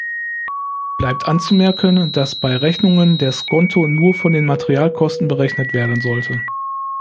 Bleibt anzumerken, dass bei Rechnungen der Skonto nur von den Materialkosten berechnet werden sollte.